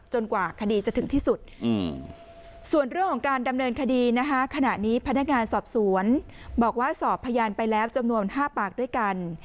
พนักงานสอบสวนบอกว่าสอบพยานไปแล้วจำนวนห้าปากด้วยกัน